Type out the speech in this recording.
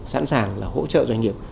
sẵn sàng là hỗ trợ doanh nghiệp